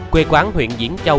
quê quán huyện diễn châu